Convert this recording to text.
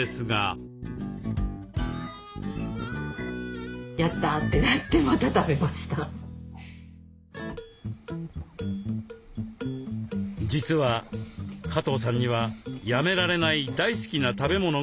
実は加藤さんにはやめられない大好きな食べ物があります。